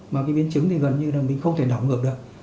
mà cái biến chứng thì gần như là mình không thể đảo ngược được